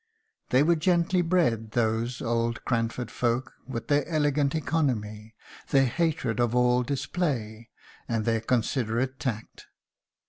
They were gently bred, those old Cranford folk, with their "elegant economy," their hatred of all display, and their considerate tact.